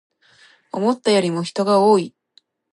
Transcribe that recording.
思ったよりも人が多い